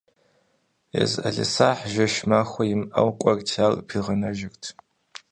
Езы ӏэлисахь, жэщ-махуэ имыӏэу, кӏуэрти ар пигъэнэжырт.